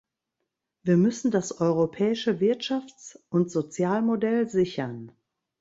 Wir müssen das europäische Wirtschafts- und Sozialmodell sichern.